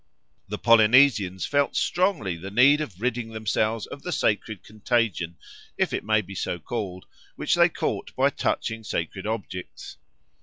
The Polynesians felt strongly the need of ridding themselves of the sacred contagion, if it may be so called, which they caught by touching sacred objects.